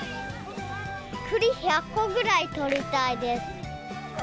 くり１００個ぐらい取りたいです。